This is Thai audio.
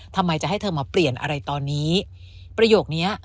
ทำไมจะให้เธอมาเปลี่ยนอะไรตอนนี้ประโยคเนี้ย